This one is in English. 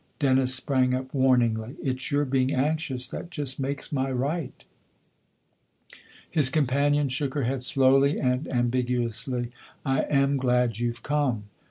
Dennis sprang up warningly. " It's your being anxious that just makes my right." His companion shook her head slowly and am biguously. " I am glad you've come."